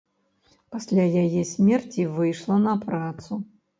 Пасля яе смерці выйшла на працу.